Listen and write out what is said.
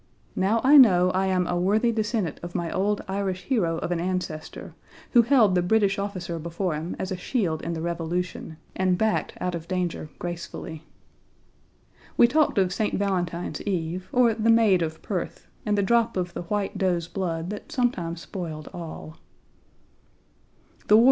Now I know I am a worthy descendant of my old Irish hero of an ancestor, who held the British officer before him as a shield in the Revolution, and backed out of danger gracefully." We talked of St. Valentine's eve, or the maid of Perth, and the drop of the white doe's blood that sometimes spoiled all. Page 38a FORT SUMTER UNDER BOMBARDMENT.From an Old Print.